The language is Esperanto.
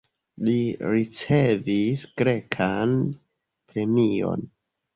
Li ricevis grekan premion.